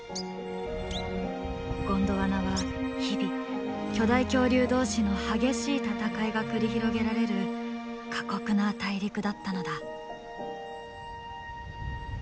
ゴンドワナは日々巨大恐竜同士の激しい戦いが繰り広げられる過酷な大陸だったのだ。